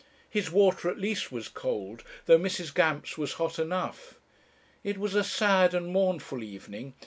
His water at least was cold, though Mrs. Gamp's was hot enough. It was a sad and mournful evening.